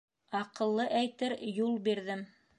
Аҡыллы әйтер «юл бирҙем».